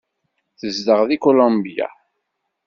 Tezdeɣ deg Kulumbya.